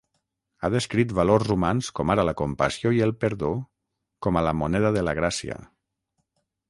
Ha descrit valors humans com ara la compassió i el perdó com a la "moneda de la gràcia".